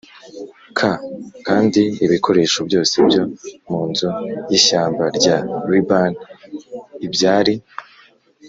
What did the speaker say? k kandi ibikoresho byose byo mu Nzu y Ishyamba rya Libani l byari